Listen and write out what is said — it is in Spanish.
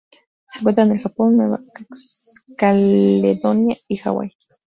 Se encuentra en el Japón, Nueva Caledonia y Hawái.